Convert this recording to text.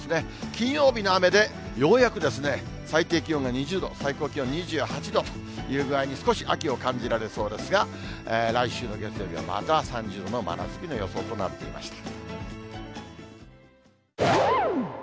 金曜日の雨で、ようやく、最低気温が２０度、最高気温２８度という具合に、少し秋を感じられそうですが、来週の月曜日はまた３０度の真夏日の予想となっていました。